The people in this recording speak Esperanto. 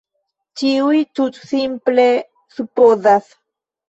Ĉiuj tutsimple supozas.